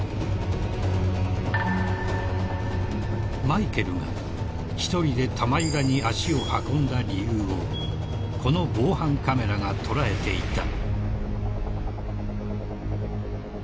［マイケルが１人で玉響に足を運んだ理由をこの防犯カメラが捉えていた］